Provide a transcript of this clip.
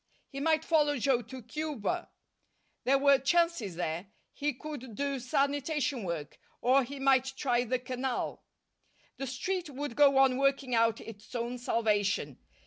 He might follow Joe to Cuba. There were chances there. He could do sanitation work, or he might try the Canal. The Street would go on working out its own salvation.